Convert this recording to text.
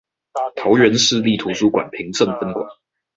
桃園市立圖書館平鎮分館